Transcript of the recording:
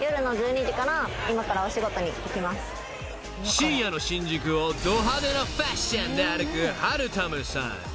［深夜の新宿をど派手なファッションで歩くはるたむさん］